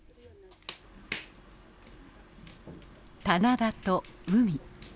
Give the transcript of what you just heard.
棚田と海。